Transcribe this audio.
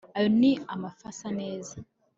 ayo ni amafi asa neza